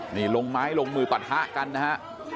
นี่ลงไม้ลงมือปะทะกันนะฮะ